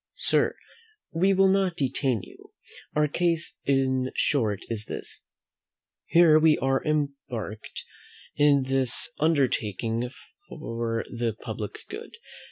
Sir, we will not detain you; our case in short is this: Here are we embarked in this undertaking for the public good.